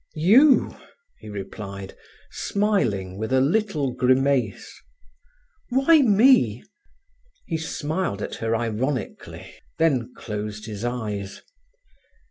"You," he replied, smiling with a little grimace. "Why me?" He smiled at her ironically, then closed his eyes.